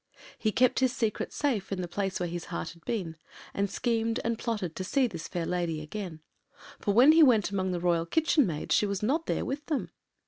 He kept his secret safe in the place where his heart had been, and schemed and plotted to see this fair lady again; for when he went among the royal kitchen maids she was not there with them.